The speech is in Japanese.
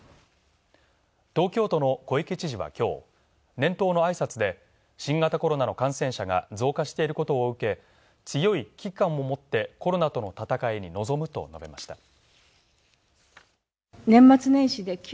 東京都の小池知事は今日、年頭の挨拶で新型コロナの感染者が増加していることを受け、強い危機感を持ってコロナとの戦いに臨むと述べました。